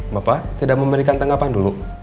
bapak tidak memberikan tanggapan dulu